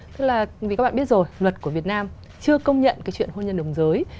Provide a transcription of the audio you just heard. tức là vì các bạn biết rồi luật của việt nam chưa công nhận cái chuyện hôn nhân đồng giới